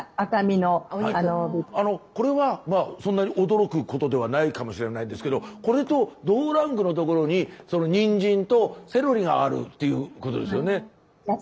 これはそんなに驚くことではないかもしれないんですけどこれと同ランクのところににんじんとセロリがあるっていうことですよね。